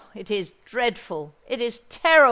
it is dreadful—it is terrible!"